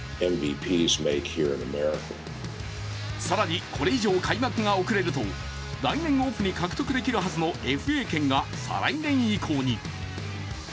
更に、これ以上開幕が遅れると、来年オフに獲得できるはずのＦＡ権が再来年以降に。